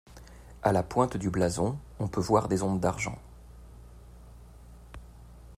À la pointe du blason, on peut voir des ondes d'argent.